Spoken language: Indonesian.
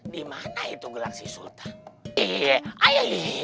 dimana itu gelang si sultan